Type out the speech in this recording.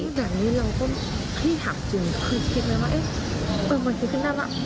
แบบนี้เราก็พี่ถามจริงคือคิดไหมว่าเอ๊ะมันคิดขึ้นได้ป่ะ